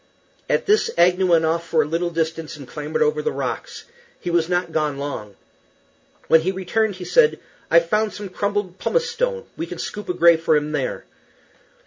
At this Agnew went off for a little distance and clambered over the rocks. He was not gone long. When he returned he said, "I've found some crumbled pumice stone; we can scoop a grave for him there."